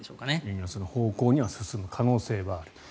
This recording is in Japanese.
円安の方向に進む可能性はあると。